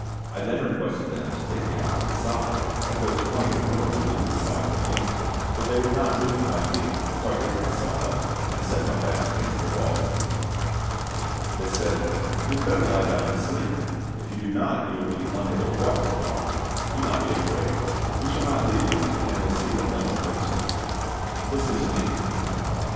I then requested them to take the opposite side, as there was plenty of room, and leave this side to me; but they would not move from my feet, so I raised myself up and set my back against the wall. They said, "You had better lie down and sleep; if you do not, you will be unable to walk to morrow. Do not be afraid; we shall not leave you, and will see that no one hurts you." "Listen to me," I replied.